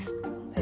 え